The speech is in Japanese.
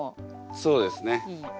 そうですね。